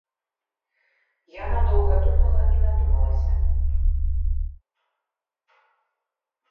Яна доўга думала і надумалася.